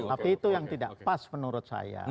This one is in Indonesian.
tapi itu yang tidak pas menurut saya